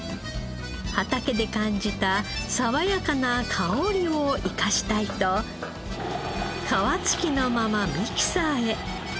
畑で感じた爽やかな香りを生かしたいと皮付きのままミキサーへ。